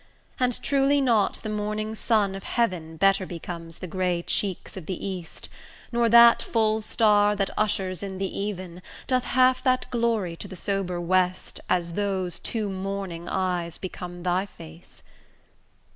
And truly not the morning sun of heaven Better becomes the grey cheeks of the east, Nor that full star that ushers in the even, Doth half that glory to the sober west, As those two mourning eyes become thy face: O!